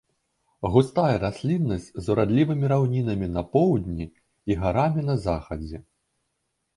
Густая расліннасць з урадлівымі раўнінамі на поўдні і гарамі на захадзе.